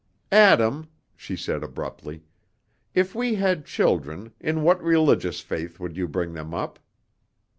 "Adam," she said abruptly, "if we had children, in what religious faith would you bring them up?"